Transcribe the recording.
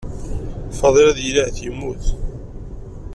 Faḍil ahat ad yili yemmut.